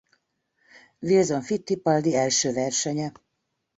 Wilson Fittipaldi első versenye.